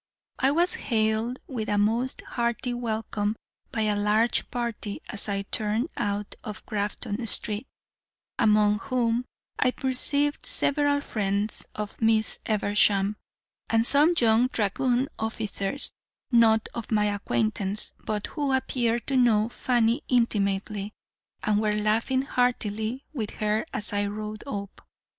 I was hailed with a most hearty welcome by a large party as I turned out of Grafton Street, among whom I perceived several friends of Miss Eversham, and some young dragoon officers, not of my acquaintance, but who appeared to know Fanny intimately, and were laughing heartily with her as I rode up.